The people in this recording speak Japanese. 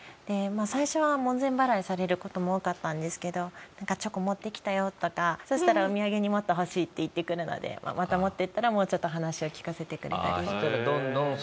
最初は門前払いされる事も多かったんですけど「チョコ持ってきたよ」とかそしたらお土産にもっと欲しいって言ってくるのでまた持っていったらもうちょっと話を聞かせてくれたり。